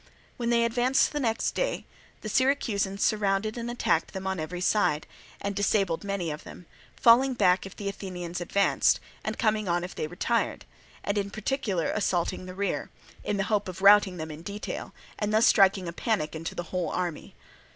When they advanced the next day the Syracusans surrounded and attacked them on every side, and disabled many of them, falling back if the Athenians advanced and coming on if they retired, and in particular assaulting their rear, in the hope of routing them in detail, and thus striking a panic into the whole army.